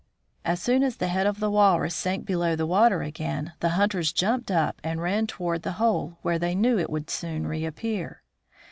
As soon as the head of the walrus sank below the water again, the hunters jumped up and ran toward the hole, where they knew it would soon reappear.